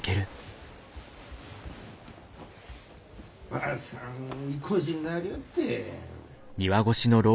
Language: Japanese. ・・・ばあさんいこじになりおって！